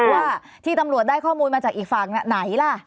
ว่าที่ตำรวจได้ข้อมูลมาจากอีกฝั่งไหนล่ะ